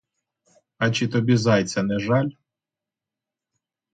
А чи тобі зайця не жаль?